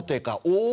「お！